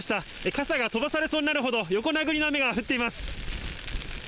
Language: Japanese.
傘が飛ばされそうになるほど、横殴りの雨が降っています。